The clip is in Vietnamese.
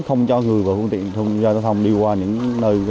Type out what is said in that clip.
không cho người và phương tiện giao thông đi qua những nơi